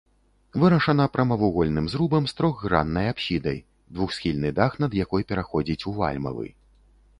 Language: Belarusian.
Вырашана прамавугольным зрубам з трохграннай апсідай, двухсхільны дах над якой пераходзіць у вальмавы.